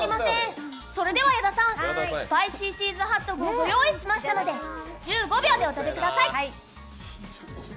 矢田さん、スパイシーチーズハットグをご用意しましたので１５秒でお食べください。